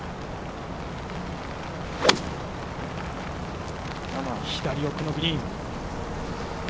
やや左奥のグリーン。